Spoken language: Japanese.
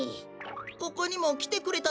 ここにもきてくれたのですか？